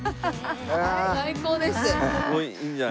最高です！